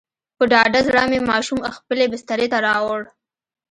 په ډاډه زړه مې ماشوم خپلې بسترې ته راووړ.